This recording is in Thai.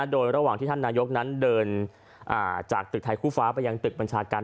โดยระหว่างที่ท่านนายกนั้นเดินจากตึกไทยคู่ฟ้าไปยังตึกบัญชาการ